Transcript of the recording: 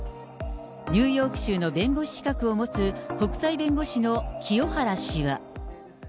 ニューヨーク州の弁護士資格を持つ、国際弁護士の清原氏は。